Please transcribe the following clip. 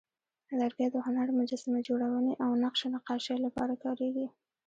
لرګی د هنر، مجسمه جوړونې، او نقش و نقاشۍ لپاره کارېږي.